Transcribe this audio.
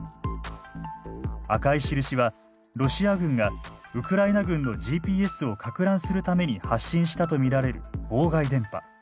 赤い印はロシア軍がウクライナ軍のＧＰＳをかく乱するために発信したと見られる妨害電波。